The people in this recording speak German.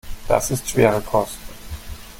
Das ist schwere Kost.